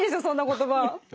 そんな言葉。